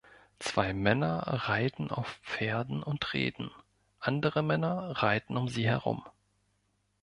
Zwei Männer reiten auf Pferden und reden, andere Männer reiten um sie herum.